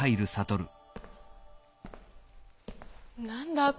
何だ？